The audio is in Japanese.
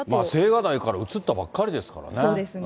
青瓦台から移ったばっかりですからね。